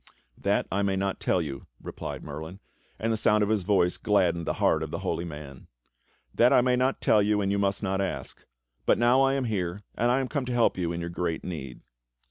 ^" "That I may not tell you," replied Merlin, and the sound of his voice gladdened the heart of the Holy Man. "That I may not tell you, and you must not ask; but now I am here, and I am come to help you in your great need."